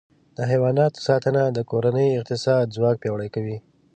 د حیواناتو ساتنه د کورنۍ اقتصادي ځواک پیاوړی کوي.